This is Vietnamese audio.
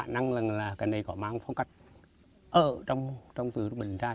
mà là cái này có mang phong cách ở trong từ bình định ra